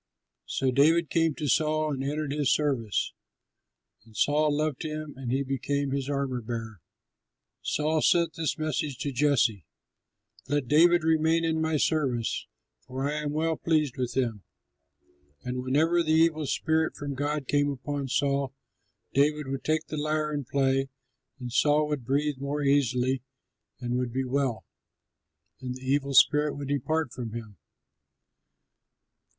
So David came to Saul and entered his service; and Saul loved him and he became his armor bearer. Saul sent this message to Jesse: "Let David remain in my service, for I am well pleased with him." And whenever the evil spirit from God came upon Saul, David would take the lyre and play, and Saul would breathe more easily and would be well, and the evil spirit would depart from him.